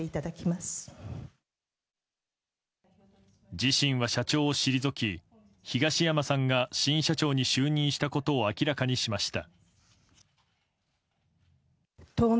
自身は社長を退き、東山さんが新社長に就任したことを明らかにしました。